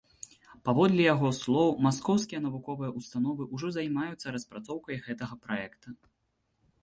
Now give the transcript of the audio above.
Паводле яго слоў, маскоўскія навуковыя ўстановы ўжо займаюцца распрацоўкай гэтага праекта.